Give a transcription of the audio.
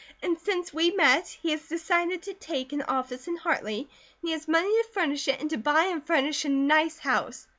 And since we met he has decided to take an office in Hartley, and he has money to furnish it, and to buy and furnish a nice house."